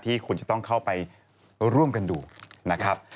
ที่คุณจะต้องเข้าไปร่วมกันดูนะครับ